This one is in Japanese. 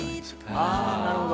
ああなるほど。